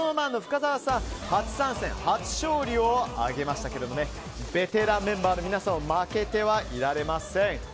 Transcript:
初参戦、初勝利を挙げましたがベテランメンバーの皆さんも負けてはいられません！